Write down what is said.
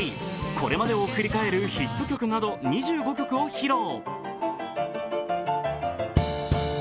これまでを振り返るヒット曲など２５曲を披露。